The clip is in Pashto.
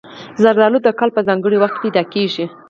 زردالو د کال په ځانګړي وخت کې پیدا کېږي.